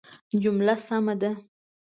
جمله سمه ده